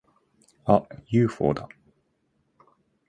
あっ！ユーフォーだ！